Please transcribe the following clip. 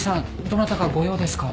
どなたかご用ですか？